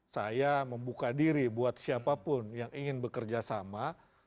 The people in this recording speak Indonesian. saya membuka diri buat siapapun yang ingin bekerja sama